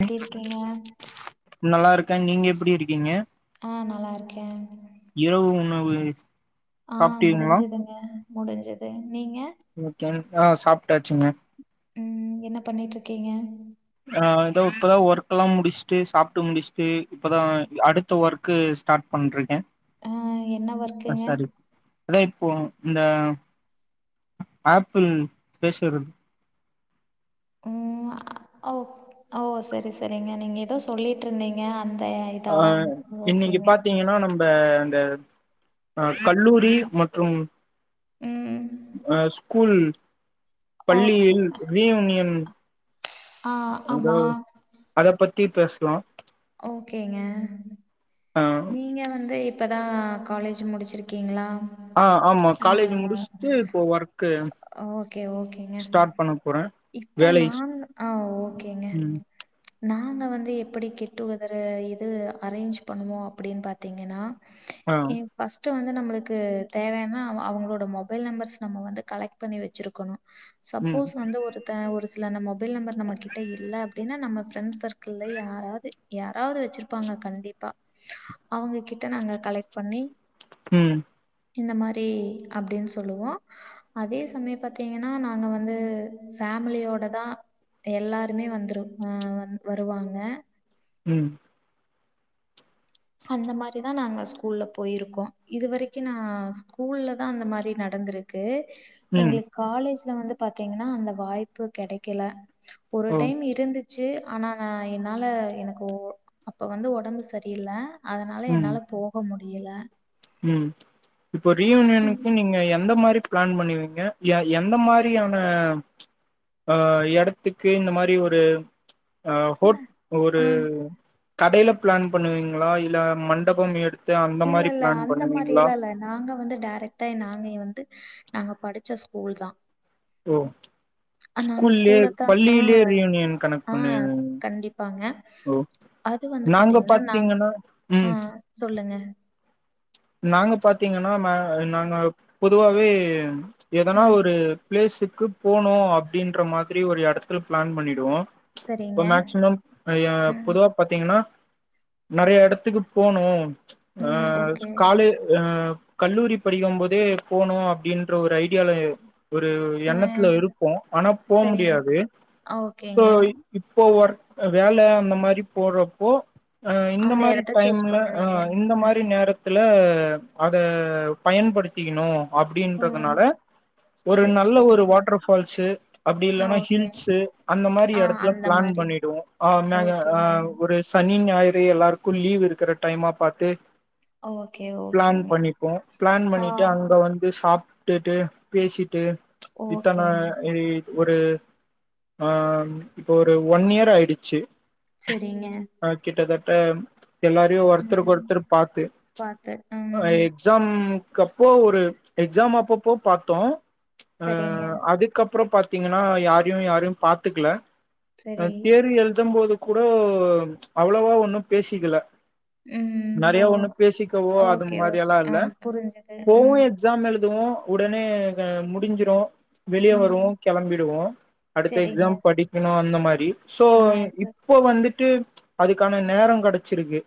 எப்டி இருக்கீங்க நல்லா இருக்க நீங்க எப்புடி இருக்கீங்க ஆ நல்லா இருக்க இரவு உணவு ஆ சாப்ட்டீங்களா முடிஞ்சதுங்க முடிஞ்சது நீங்க ஓகே ஆ சாப்டாச்சுங்க ம் என்ன பண்ணிட்டு இருக்கீங்க ஆ தோ இப்பதா ஒர்க் எல்லா முடிச்சுட்டு சாப்புட்டு முடிச்சுட்டு இப்பதான் அடுத்த ஒர்க்கு ஸ்டாட் பண்ருக்கே ஆ என்ன ஆ ஒர்க்குங்க சாரி அதா இப்போ இந்த ஆப்பில் பேசுறது ம் ஓ ஓ செரி செரிங்க நீங்க ஏதோ சொல்லி இருந்தீங்க அந்த இதா ஓகேங்க இப்ப அந்த ஆ கல்லூரி மற்றும் ம் ஆ ஸ்கூல் ஓகே பள்ளியில் ரீயூனியன் ஆ எதோ ஆமா அத பத்தி பேசலாம் ஓகேங்க ஆ நீங்க வந்து இப்பதா காலேஜ் முடிச்சிருக்கீங்ளா ஆ ஆமா காலேஜ் முடிச்சுட்டு இப்போ ஒர்க்கு ஓகே ஓகேங்க ஸ்டார்ட் பண்ண போறே இப்ப வேலை நான் ஆ ஓகேங்க ம் நாங்க வந்து எப்படி கெட்டு கெதரு இது அரேஞ்ச் பண்ணுவோ அப்படின் பாத்தீங்கன்னா ஆ ஏ ஃபர்ஸ்ட்டு வந்து நம்முளுக்கு தேவையானா அவங்களோட மொபைல் நம்பர்ஸ் நம்ம வந்து கலெக்ட் பண்ணி வெச்சிருக்கணு ம் சப்போஸ் வந்து ஒரு த்த ஒரு சில நம்ம மொபைல் நம்பர் நம்ம கிட்ட இல்ல அப்டின்னா நம்ம ஃப்ரெண்ட் சர்க்கிள்ல யாராவது யாராவது வெச்சிருப்பாங்க கண்டிப்பா அவங்க கிட்ட நாங்க கலெக்ட் பண்ணி ம் இந்த மாரி அப்டின் சொல்லுவோ அதே சமயம் பாத்தீங்கன்னா நாங்க வந்து ஃபேமிலியோட தா எல்லாருமே வந்துரு ஆ வருவாங்க ம் அந்த மாரி தா நாங்க ஸ்கூல்ல போயிருக்கோ இதுவரைக்கு நா ஸ்கூல்ல தா அந்த மாரி நடந்துரு க்கு ம் எங்களுக்கு காலேஜ்ல வந்து பாத்தீங்கன்னா அந்த வாய்ப்பு கெடைக்கல ஒரு ஓ டைம் இருந்து ச்சு ஆனா நான் என்னால எனக்கு அப்போ வந்து உடம்பு சரியில்ல அதனால ம் என்னால போக முடியல ம் இப்ப ம், ரீயூனியனுக்கு நீங்க எந்த மாரி பிளான் பண்ணுவீங்க எ எந்த மாதிரியான ஆ எடத்துக்கு இந்த மாரி ஒரு அ இல்ல. ஹோட் ஒரு ஆ கடைல பிளான் பண்ணுவீங்களா இல்ல மண்டபம் எடு த்து அந்த இல்ல மாரி இல்ல பிளான் அந்த பண்ணுவீங்களா மாரியெல்லா இல்ல நாங்க வந்து டைரக்டா நாங்க வந்து நாங்க படிச்ச ஸ்கூல் தா டோ ஆ நாங்க ஸ்கூலத்தா ஆ ரீயூனியன் கனெக்ட் ஆ பண்ணுவீங்க கண்டிப்பாங்க ஓ அது வந்து நாங்க பாத்தீங்கன்னா நா ம் ஆ சொல்லுங்க நாங்க பாத்தீங்கன்னா மே நாங்க பொதுவாவே எதனா ம் ஒரு பிளேஸுக்கு போனு அப்டின்ற மாதிரி ஒரு எடத்துல பிளான் பண்ணிடுவோ சரிங்க இப்ப மேக்சிமம் ய ம் பொதுவா பாத்தீங்கன்னா நெறைய எடத்துக்கு போனு அ ம் ஓகே ஆ கல்லூரி படிக்கும் போதே போனு அப்டின்ற ஒரு ஐடியால ஒரு எண்ணத்துல இருப்போ ஆனா போ சரிங்க முடியாது சோ ஓகேங்க இப்போ ஒர்க வேல அந்த மாரி போடுறப்போ அ இந்த அந்த மாரி இடத்த சூஸ் டைம்ல அ பண்ணுவீங்க இந்த ம் மாரி நேர த்துல அத பயன்படுத்திக்கணு ம், அப்டின்றதுனால ஒரு சரி நல்ல ஒரு சரிங்க வாட்டர் ஃபால்ஸு அப்டி இல்லனா ஓகே ஹில்ஸு அந்த மாரி ஆ எடத்துல அந்த பிளான் மாதிரி பண்ணி டுகோ ஆ நாங்க ஆ ஓகேங்க ஒரு சனி ஞாயிறு எல்லாருக்கு லீவ் இருக்கிற டைமா பாத்து ஓகே ஒ பிளான் பண்ணிப்போ பிளான் பண்ணிட்டு அங்க வந் சாப்ட்டுட்டு பேசிட்டு இத்தன ஓகேங்க ஒரு அ இப்போ ஒரு ஒன் இயர் ஆயிடுச்சு சேரிங்க ஆ கிட்டத்தட்ட எல்லாரையு ஒருத்தருக்கு ம் ஒருத்தர் பாத்து பாத்து ம் எக்ஸாம்க்கு அப்போ ஒரு எக்ஸாம் அப்பப்போ பாத்தோ அ சரிங்க அது அதுக்கப்புற பாத்தீங்கன்னா யாரையு யாரையு பாத்துக்கல அ சரி தியரி எழுதம் போது கூட அவ்வளவா ஒன்னு பேசிக்கல ம் ஓ நெறையா ஒன்னு பேசிக்கவோ அது ஓகே மாரி ஓகே எல்லா ஆ இல்ல புரிஞ்சது போவோ ம் எக்ஸாம் எழுதுவோ உடனே க முடிஞ்சிரு வெளிய ம் வருவோ கெளம்பிடுவோ அடுத்த சரிங்க எக்ஸாம் படிக்கணு அந்த மாரி சோ ஆ ச- இப்போ வந்துட்டு அதுக்கான நேர கெடச்சிருக்கு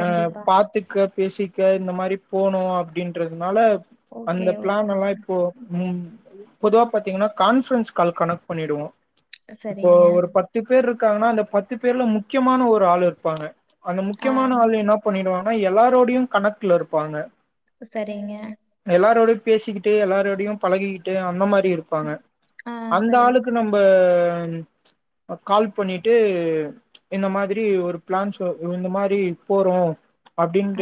ஆ பாத்துக்க பேசிக்க இந்த மாரி போனு அப்டின்றதுனால ஓகே அந்த ஓகே பிளான் எல்லா இப்போ ம் பொதுவா பாத்தீங்கன்னா கான்ஃபரன்ஸ் கால் கனெக்ட் பண்ணிடுவோ இப்போ சரிங்க ஒரு பத்து பேர் இருக்காங்கன்னா அந்த பத்து பேர்ல முக்கியமான ஒரு ஆள் இருப்பாங்க அந்த ஆ முக்கியமான ஆள் என்ன பண்ணிடுவானா எல்லாரோடையு கனெக்ட்ல இருப்பாங்க சரிங்க எல்லாரோடையு பேசிக்கிட்டு எல்லாரோடையு பழகிக்கிட்டு அந்த மாரி இரு ப்பாங்க ஆ அந்த சரி ஆளுக்கு நம்ப கால் பண்ணிட்டு இந்த மாரி ஒரு பிளான் சொ இந்த மாரி போறோ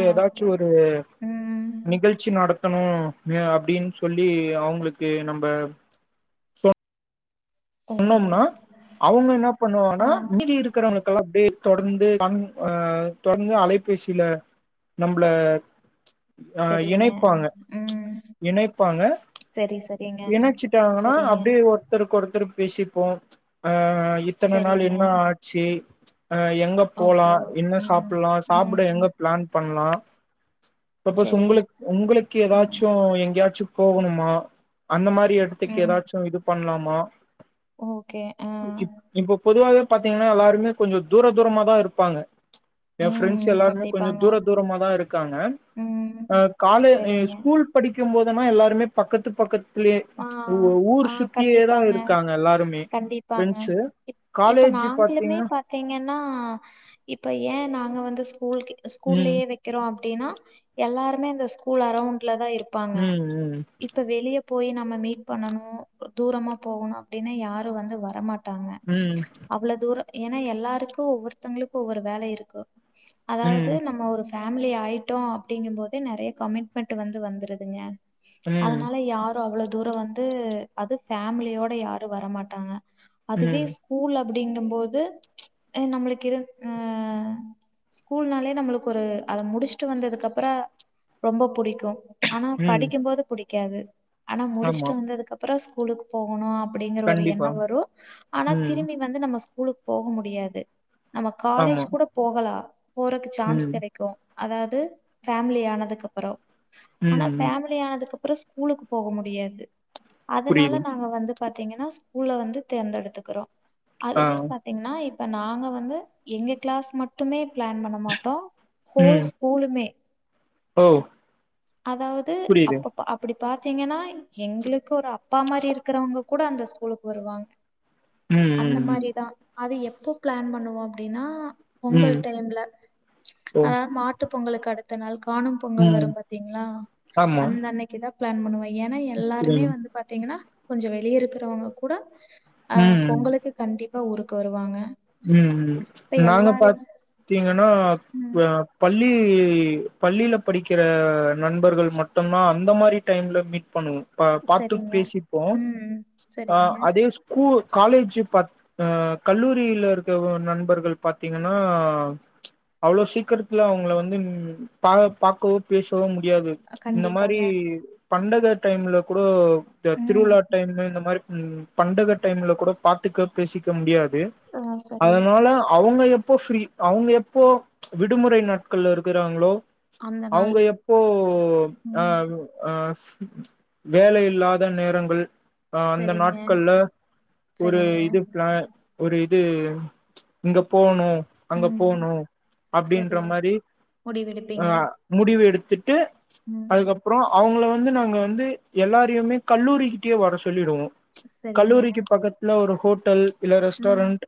ஆ எதாச்சு ஓகே ஒரு ம் நிகழ்ச்சி நட த்தணு எ அப்டின்னு சொல்லி அவுங்களுக்கு நம்ப ஓகே பண்ணோம்னா ஓகே அவுங்க என்ன பண்ணுவானா ஆ மீதி இருக்கிறவங்க கா அப்டியே தொடர்ந்து அ தொடர்ந்து அலைபேசில நம்பள ஆ சரிங்க இணைப்பாங்க ம் இணைப்பாங்க சரி சரிங்க இனச்சிட்டாங்கனா சரிங்க அப்டியே ஒர் த்தருக்கு ஒருத்தர் பேசிப்போ ஆ இத்தன நாள் சரிங்க என்ன ஆச்சி அ எங்க ஓகே போலா ஓ என்ன ம் சாப்டலா சாப்ட எங்க ம் பிளான் பண்லா சப்போஸ் சரி ஒங்களுக் ஒங்களுக்கு ம் எதாச்சு எங்கேயாச்சு போகணுமா அந்த மாரி எடு த்துக்கு ம் எதாச்சு இது பண்லாமா ஓகே ஆ இப் இப்ப பொதுவாவே பாத்தீங்கன்னா எல்லாருமே கொஞ்ச தூர தூரமா தா இருப்பாங்க ஏ ஃப்ரெண்ட்ஸ் ம் எல்லாருமே கொஞ்ச கண்டிப்பாங்க. தூர தூரமா தா இருக்காங்க ம். அ காலே சரிங்க. ஸ்கூல் படிக்கும் போதுமா எல்லா எல்லாருமே பக்கத்து பக்கத்துலயே ஆ ஊ ஊர் ஆ சுத்தியேதா இருக்கு கண்டிப்பாங்க, இருக்காங்க எல்லாருமே கண்டிப்பாங்க. ஃப்ரெண்ட்ஸ்சு இப் இப்ப காலேஜ் நாங்களுமே பாத்தீங்கன்னா பாத்தீங்கன்னா இப்ப ஏ நாங்க வந்து ஸ்கூல் கிட் ம் ஸ்கூல்லயே வக்கிறோ அப்டின்னா எல்லாருமே இந்த ஸ்கூல் அரவுண்ட்ல தா இருப்பாங்க ம் இப்ப வெளிய போய் நம்ம மீட் பண்ணணும் தூரமா போகணும் அப்டின்னு யாரும் வந்து வரமாட் டாங்க ம் ம் அவ்ளோ தூரம் ஏன்னா எல்லாருக்கும் ஒவ்வொருத்தவங்களுக்கும் ஒவ்வொரு வேல இருக்கு அதாவது ம் நம்ம ஒரு ஃபேமிலி ஆயிட்டோ அப்டிங்கும் போதே நெறைய கமிட்மெண்ட் வந்து வந்துருதுங்க ம் அதனால யார் ரு அவ்ளோ தூரம் வந்து அது ஃபேமிலியோட யாரு வர மாட்டாங்க அதுவே ம் ஸ் கூல் அப்டின்னும் போது நம்மளுக்கு எ இருந் அ ஸ்கூல்னாலே நம்மளுக்கு ஒரு அத முடிச்சிட்டு வந்ததுக்கு அப்புறம் ரொம்ப புடிக்கும் ஆனா ம் படிக்கும் போது புடிக்காது ஆனா ஆமா முடிச்சிட்டு வந்ததுக்கு அப்புறம் ஸ்கூலுக்கு போகணும் அப்டிங்கிற ஒரு கண்டிப்பா எண்ணொ வரும் ஆனா ம் திரும்பி வந்து நம்ம ஸ்கூலுக்கு போக முடியாது நம்ம காலேஜ் ஆமா கூட போகலா போறக்கு சான்ஸ் ம் கெட க்கு அதாவது ஃபேமிலி ஆனதுக்கு அப்புறம் ஆனா ம் ம் ஃபேமிலி ஆனதுக்கு அப்புறம் ஸ்கூலுக்கு போக முடியாது புரியுது அதனால நாங்க வந்து பாத்தீங்கன்னா ஸ்கூல்ல வந்து தேர்ந்தெடுத்துக்குறோ ஆ அதுவே பாத்தீங்கன்னா இப்ப நாங்க வந்து எங்க கிளாஸ் மட் டுமே பிளான் பண்ண மாட்டோ ஹோல் ம் ஸ்கூலுமே ஓ அதாவ்து புரியுது அப்போ அ அப்டி பாத்தீங்கன்னா எங்களுக்கு ஒரு அப்பா மாரி இருக்குறவங்க கூட அந்த ஸ்கூலுக்கு வருவாங்க ம் அந்த ம் ம் மாரிதா அத எப்போ பிளான் பண்ணுவோ அப்டின்னா பொங்கல் ம் டைம்ல ஓ அதா மாட்டு பொங்கலுக்கு அடுத்த நாள் காணு பொங்கல் ம் வரும்பாத் தீங்ளா ஆமா அந்த அன்னைக்கு தா பிளான் பண்ணுவோ ஏனா எல்லாருமே புரியுது வந்து பாத்தீங்கன்னா கொஞ்ச வெளிய இருக்கிறவங்க கூட ஆஹ் ம் ம் பொங்கலுக்கு கண்டிப்பா ஊருக்கு வருவாங்க ம் ம் இப்ப நாங்க எல்லாரையும் பாத்தீங்கன்னா ம் அ பள் ளி பள்ளில படிக்ற நண்பர்கள் மட்டுதா அந்த மாரி டைம்ல மீட் பண்ணுவோ அ பாத்து சரிங்க பேசிப்போ ம் அ சரிங்க அதே ஸ் கூ காலேஜ் பத் அ கல்லூ ரியில இருக்க நண்பர்கள் பாத்தீங்கன்னா அவ்ளோ சீக்கிரத்துல அவங்கள வந்து பா பாக்கவோ பேசவோ முடியாது அஹ் இந்த மாரி கண்டிப்பாங்க பண்டக டைம்ல கூட இந்த ம் திருவிழா டைம்ல இந்த மாரி உ பண்டக டைம்ல கூட பாத்துக்க பேசிக்க முடியாது ஆ சரி அதனால அவுங்க எப்போ ஃப்ரீ அவங்க எப்போ விடுமுறை நாட்கள்ல இருக்குறாங்களோ அந்த நாள் அவுங்க எப்போ அ ம் உ அ வேலையில்லாத நேரங்கள் அ அந்த சரிங்க நாட்கள்ல ஒரு சரிங்க இது பிளா ஒரு இது இங்க போணு அங்க ம் போனு சரி அப்டின்ற மாரி அ முடிவெடுப்பீங்க முடிவு எடுத்துட்டு ம் அதுக்கப் அப்புறோ அவங்கள வந்து நாங்க வந்து எல்லாரையுமே கல்லூரிக்கிட்டயே வர சொல்லிருவோ சரிங்க கல்லூரிக்கு பக்கத்துல ஒரு ஹோட்டல் இல்ல ம் ரெஸ்டாரண்ட்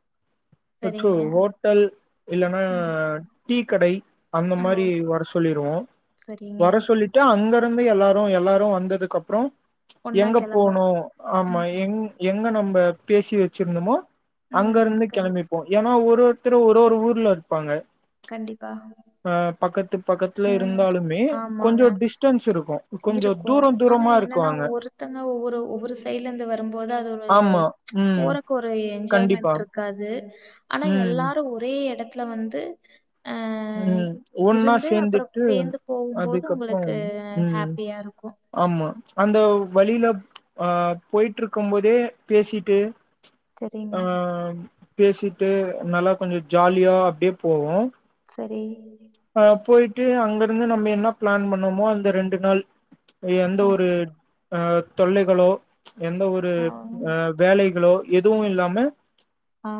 எச்சோ சரிங்க ஓட்டல் இல்லன்னா ம் டீக்கடை அந்த ஆ மாரி ஓகே வர சொல்லிருவோ சரிங்க வர சொல்லிட்டு அங்க இருந்து எல்லாரு எல்லாரு வந்ததுக்கு அப்றோ ஒன்னா எங்க கிளம்ப போனு ஆமா ம் எங் எங்க நம்ப பேசி வச்சிருந்தோமோ அங்க ம் இருந்து கெளம்பிப்போ ஏன்னா ஒரு ஒர்த்தரு ஒரு ஒரு ஊர்ல இருப்பாங்க கண்டிப்பா அ பக்கத்து பக்கத்துல ம். இருந்தாலுமே கொஞ்ச டிஸ்டன்ஸ் இருக்கு கொஞ்சோ க்கும் தூரோ ஆனா தூரமா என்னன்னா இருக்குவாங்க ஒருத்தங்க ஒவ்வொரு ஒவ்வொரு சைட்லந்து வரும்போது அது ஒரு ஆமா ம் போறக்கு ஒரு கண்டிப்பா என்ஜாய்மென்ட்ருக்காது ஆனா ம் எல்லாரு ஒரே எடத்துல வந்து அ ம் ஒன்னா இருந்து அப்புறம் சேந்துட்டு சேர்ந்து போகும்போது அதுக்கப்றம் உங்களுக்கு ம் ஹாப்பியா இருக்கும். ஆமா அந்த வழில அ போயிட்ருக்கு போதே பேசிட்டு சரிங்க. அ பேசிட்டு நல்லா கொஞ்சோ ஜாலியா அப்டியே போவோ சரி அ போயிட்டு அங்கருந்து நம்ம என்ன பிளான் பண்ணோமோ அந்த ரெண்டு நாள் எந்த ஓ. ஒரு தொல்லைகளோ எந்த ஒரு ஆ. அ வேலைகளோ எதுவும் இல்லாம ஆ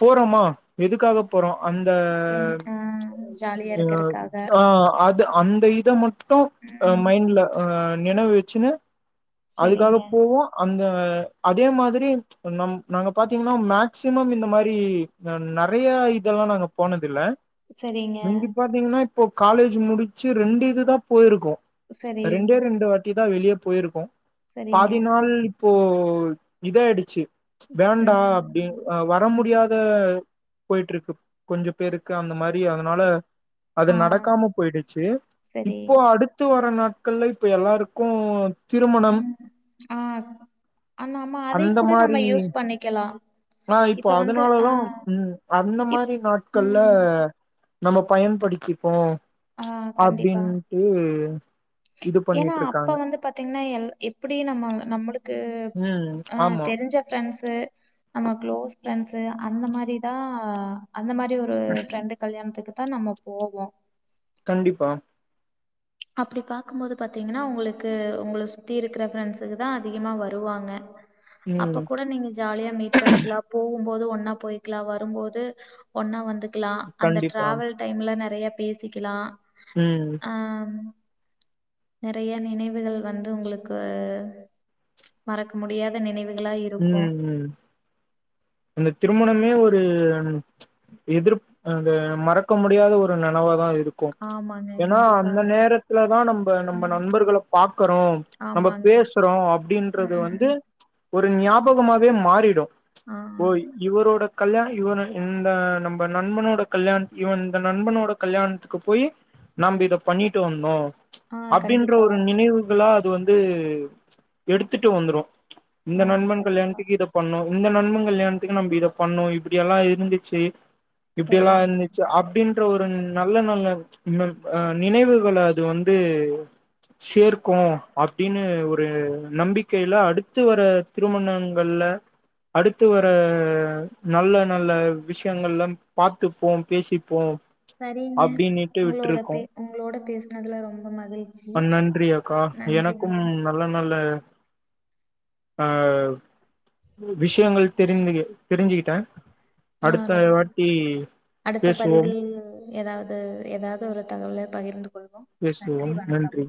போறோமா எதுக்காக போறோம் அந்த என் ஆ ஜாலியா இந்த இருக்கறக்காக. ஆ அ அது அந்த இத மட்டும் ம். மைண்ட்ல ஆ நினைவ் வெச்சுன்னு அதுக்காக சரிங்க. போவோ அந்த அதே மாதிரி நம் நாங்க பாத்தீங்ன்னா மேக்சிமம் இந்த மாரி நெறைய இதெல்லா நாங்க போனது இல்ல சரிங்க. இங்கு பாத்தீங்கன்னா இப்போ காலேஜ்ஜி முடிச்சு ரெண்டு இது தா போயிருக்கோ சரி. ரெண்டே ரெண்டு வாட்டி தா வெளியே போயிருக்கோ சரிங்க. பாதி நாள் இப்போ இதாயிடுச்சு வேண்டா அப்டின் ம். அ வர ம். முடியாத போய்ட்ருக்கு கொஞ்ச பேருக்கு அந்த மாரி அதனால அது ஆ நடக்காம போயிடுச்சு சரி இப்போ அடுத் அத்து வர நாட்கள்ல இப்போ எல்லாருக்கும் திருமணம் ம் ஆ ஆமா ஆமா அதை அந்த கூட நம்ம மாரி யூஸ் பண்ணிக்கலா ஆ இப்போ இப்ப வந்து ஆ அதனாலதா ம் அந்த இப் மாரி நாட்கள்ல ம் நம்ம பயன் படிக்கிப்போ ஆ கண்டிப்பா அப்டின்ட்டு இது ஏன்னா அப்ப பண்ணிட்ருக்காங்க வந்து பாத்தீங்கன்னா எல்லா எப் அப்படி நம்ம நம்மளுக்கு ம் ஆ ஆமா தெரிஞ்ச ஃப்ரெண்ஸு நம்ம க்ளோஸ் ஃப்ரெண்ஸு அந்த மாரிதா அந்த மாரி ஒரு ஃப்ரெண்டு கல்யாணத்துக்குதா நம்ம போவோ கண்டிப்பா அப்படி பாக்கும்போது பாத்தீங்கன்னா உங்களுக்கு உங்கள சுற்றி இருக்குற ஃப்ரெண்ட்ஸுக்கு தா அதிகமாக வருவாங்க ம் அப்ப கூட நீங்க ஜாலியா மீட் பண்ணிக்கலா போகும்போது ஒன்னா போயிக்லா வரும்போது ஒண்ணா வந்துக்கலா அந்த கண்டிப்பா ட்ராவல் டைம்ல நறைய பேசிக்கலா ம் நறைய நினைவுகள் வந்து உங்குளுக்கு மறக்க முடியாத நினைவுகளா இருக்கோ ம் ம் அந்த திருமணமே ஒரு எதிர்ப் அந்த மறக்க முடியாத ஒரு நெனவதா இரு கோ ஆமாங்க. ஏனா அந்த கண்டிப்பாக. நேரத்துலதா நம்ப நம்ப ம். நண்பர்கள பாக்கறோ நம்ம ஆமாங்க. பேசுறோம் அப்பிடின்றது வந்து ம். ஒரு ஞாபகமாவே மாறிடு ஆ ஓய் இவரோட கல்யாணோ இவ இந்த நம்ம நண்பனோட கல்யாணோ இவன் இந்த நண்பனோட கல்யாணத்துக்கு போய் நம்ப இத பண்ணிட்டு வந்தோ ஆ அப்டின்ற கண்டிப்பா. ஒரு நினைவுகளா து வந்து எடுத்திட்டு வந்துரு ஆ இந்த நண்பன் கண்டிப்பா. கல்யாணத்துக்கு இத பண்ணு இந்த நண்ப கல்யாணத்துக்கு நம்ம இத பண்ணு இப்டியெல்லா இருந்துச்சு இப்டில்லா சரிங்க. இருந்துச்சு அப்டின்னு ன்ற ஒரு நல்ல நல்ல ம் நினைவுகள அது வந்து சேர்க்கு அப்டின்னு ஒரு நம்பிக்கையில அடுத்து வர திருமணங்கள்ல அடுத்து வ ம் நல்ல நல்ல விஷயங்கள்லா பாத்துப்போம் பேசிப்போம் சரிங்க உங்களோட பே உங்களோட பேசனதுல ரொம்ப மகிழ்ச் நன்றி அக்கா எனக்கும் நல்ல நல்ல ஆ விஷயங்கள் தெரிந்திது தெரிஞ்சுக்கிட்டே ஆ ரொ அடுத்த வாட்டி அடுத்த பேசுவோம் பதிவில் எதாவ்து எதாவ்து ஒரு தகவல பகிர்ந்து கொள்வோம் நன்றி பேசுவோம் வணக்கம் நன்றி